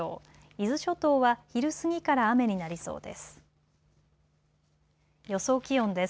伊豆諸島は昼過ぎから雨になりそうです。